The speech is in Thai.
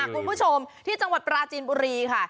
คุณผู้ชมที่จังหวัดปราจีนบุรีค่ะ